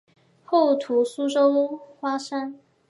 后徙苏州花山。